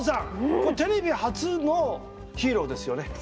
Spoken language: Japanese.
これテレビ初のヒーローですよね。